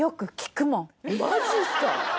マジっすか？